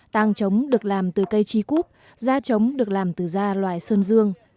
tàng trống được làm từ cây chi cúp da trống được làm từ da loài sơn dương